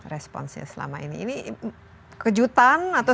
responsnya selama ini ini kejutan atau